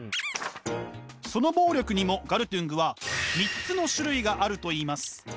その暴力にもガルトゥングは３つの種類があると言います！